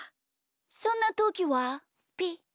そんなときはピッ。